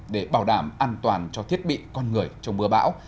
để bảo đảm an toàn cho thiết bị con người trong mưa bão